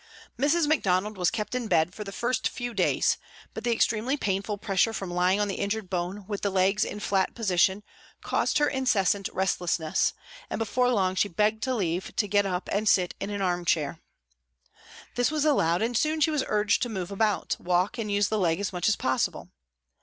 Mrs. Macdonald was kept in bed for the first few days, but the extremely painful pressure from lying on the injured bone with the legs in flat position caused her incessant restlessness, and before long she begged leave to get up and sit in an armchair. This was allowed and soon she was urged to move about, walk and use the leg as much as possible.